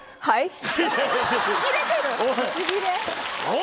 「はい？」